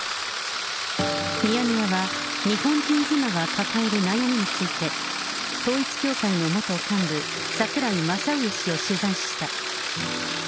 ミヤネ屋は、日本人妻が抱える悩みについて、統一教会の元幹部、櫻井正上氏を取材した。